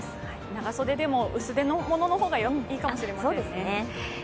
長袖でも薄手のものの方がいいかもしれませんね。